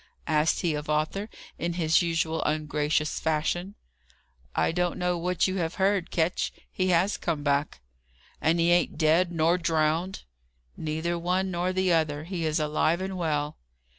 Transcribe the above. asked he of Arthur, in his usual ungracious fashion. "I don't know what you may have heard, Ketch. He has come back." "And he ain't dead nor drownded?" "Neither one nor the other. He is alive and well."